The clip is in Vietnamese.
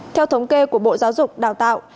theo thống kê của bộ giáo dục đào tạo